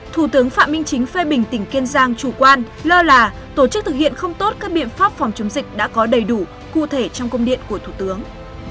thủ tướng phạm minh chính phê bình tỉnh kiên giang chủ quan lơ là tổ chức thực hiện không tốt các biện pháp phòng chống dịch đã có đầy đủ cụ thể trong công điện của thủ tướng